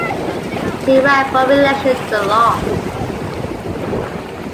He ran for reelection but lost.